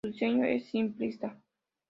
Su diseño es simplista.